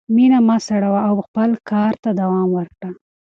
مینه مه سړوه او خپل کار ته دوام ورکړه.